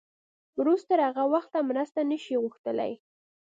روس تر هغه وخته مرسته نه شي غوښتلی.